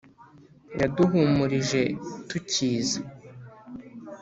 Yaduhumurije tukiza,